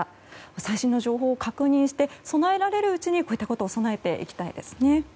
最新の情報を確認して備えられるうちにこういったことを備えていきたいですね。